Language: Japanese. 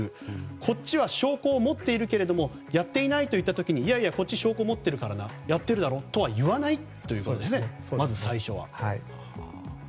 こっちは証拠を持っているがやっていないと言った時にいやいや、こっちは証拠を持っているんだからやってるだろ？とは言わないということですね、まず最初は。